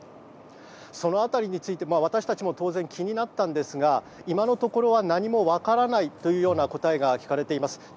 その辺りについて私たちも当然気になったんですが今のところは何も分からないという答えが聞かれています。